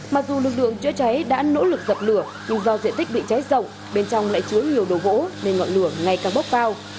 mặc dù lực lượng chữa cháy đã nỗ lực dập lửa dù do diện tích bị cháy rộng bên trong lại chứa nhiều đồ gỗ nên ngọn lửa ngày càng bốc cao